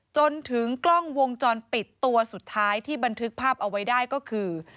จนถึงกล้องวงจรปิดตัวสุดท้ายที่บันทึกภาพเอาไว้ได้ก็คือ